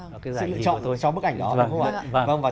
và cái giải nhì của tôi